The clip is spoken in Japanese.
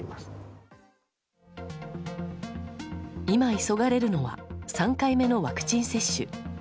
今、急がれるのは３回目のワクチン接種。